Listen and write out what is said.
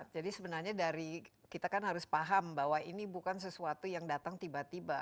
jadi sebenarnya dari kita kan harus paham bahwa ini bukan sesuatu yang datang tiba tiba